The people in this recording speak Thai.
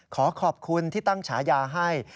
ขอขอบคุณที่ตั้งฉายาให้